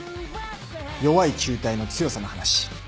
「弱い紐帯の強さ」の話。